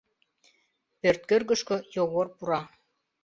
Пӧрткӧргышкӧ Йогор пура.